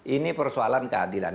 ini persoalan keadilan